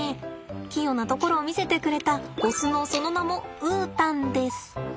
器用なところを見せてくれたオスのその名もウータンです。